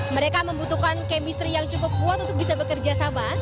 mereka membutuhkan chemistry yang cukup kuat untuk bisa bekerja sama